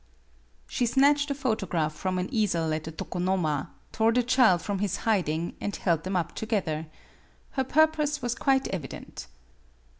She snatched a photograph from an easel at the tokonoma, tore the child from his hiding, and held them up together. Her purpose was quite evident.